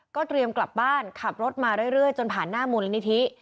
เตรียมกลับบ้านขับรถมาเรื่อยจนผ่านหน้ามูลนิธิ